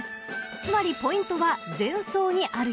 ［つまりポイントは「前走」にあるようです］